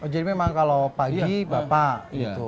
jadi memang kalau pagi bapak